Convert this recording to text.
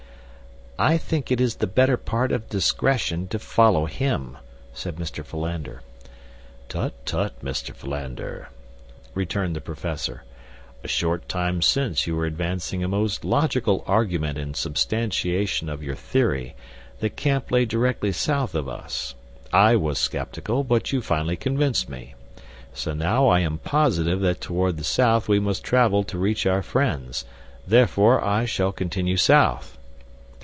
"I think it the better part of discretion to follow him," said Mr. Philander. "Tut, tut, Mr. Philander," returned the professor. "A short time since you were advancing a most logical argument in substantiation of your theory that camp lay directly south of us. I was skeptical, but you finally convinced me; so now I am positive that toward the south we must travel to reach our friends. Therefore I shall continue south."